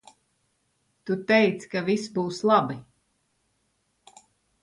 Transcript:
Tu teici ka viss būs labi.